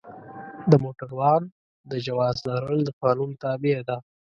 د موټروان د جواز لرل د قانون تابع ده.